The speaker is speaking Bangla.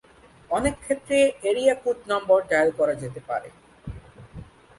অনেক ক্ষেত্রে এরিয়া কোড নম্বর ডায়াল করা যেতে পারে।